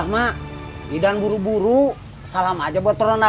makan dulu atu